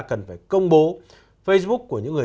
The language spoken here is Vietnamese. cần phải công bố facebook của những người